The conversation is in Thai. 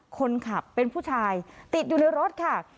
คนขับเป็นผู้ชายติดอยู่ในรถค่ะ